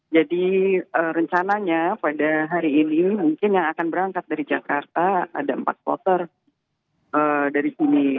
jadi rencananya pada hari ini mungkin yang akan berangkat dari jakarta ada empat flotar dari sini